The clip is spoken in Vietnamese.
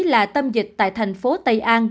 là tâm dịch tại thành phố tây an